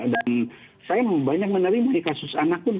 dan saya memang banyak menerima kasus anak pun